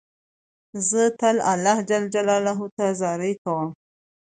زه تل الله جل جلاله ته زارۍ کوم.